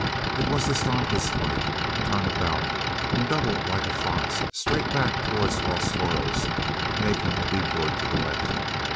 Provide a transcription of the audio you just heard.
It was to stop his flight, turn about, and double like a fox straight back toward Los Toros, making a detour to the left.